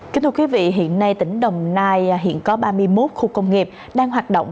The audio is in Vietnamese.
kính thưa quý vị hiện nay tỉnh đồng nai hiện có ba mươi một khu công nghiệp đang hoạt động